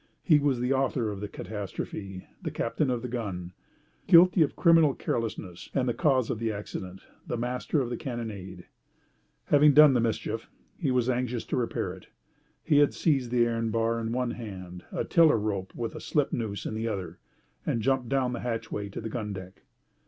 He was the author of the catastrophe, the captain of the gun, guilty of criminal carelessness, and the cause of the accident, the master of the carronade. Having done the mischief, he was anxious to repair it. He had seized the iron bar in one hand, a tiller rope with a slip noose in the other, and jumped down the hatchway to the gun deck.